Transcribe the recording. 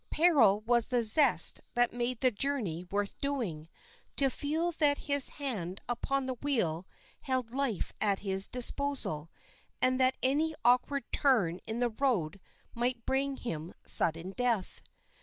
Peril was the zest that made the journey worth doing: to feel that his hand upon the wheel held life at his disposal, and that any awkward turn in the road might bring him sudden death.